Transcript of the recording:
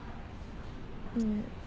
うん。